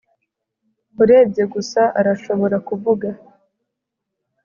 urebye gusa arashobora kuvuga.